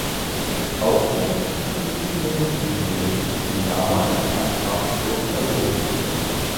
Auch das Gebiet um den Mondsee ging damals an Habsburg verloren.